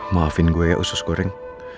maafin gue ya usus goreng